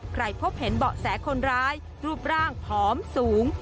พบเห็นเบาะแสคนร้ายรูปร่างผอมสูง